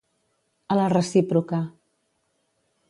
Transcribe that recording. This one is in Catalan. A la recíproca.